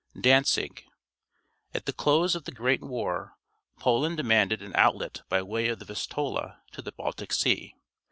Danzig. — At the close of the Great War, Poland demanded an outlet by way of the Vistula to the Baltic Sea.